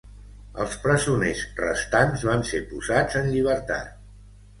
Els presoners restants van ser posats en llibertat.